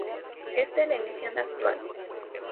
Esta es la emisión actual.